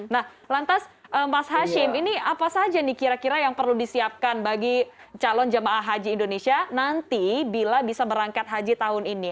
nah lantas mas hashim ini apa saja nih kira kira yang perlu disiapkan bagi calon jemaah haji indonesia nanti bila bisa berangkat haji tahun ini